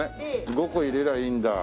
５個入れりゃいいんだ。